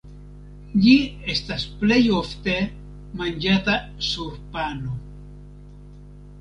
Ĝi estas plej ofte manĝata sur pano.